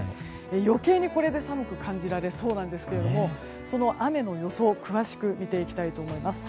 余計にこれで寒く感じられそうなんですがその雨の予想詳しく見ていきたいと思います。